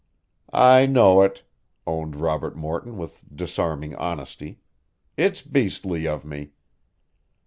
"I know it," owned Robert Morton with disarming honesty. "It's beastly of me."